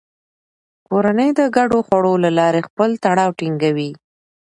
کورنۍ د ګډو خوړو له لارې خپل تړاو ټینګوي